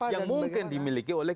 yang mungkin dimiliki oleh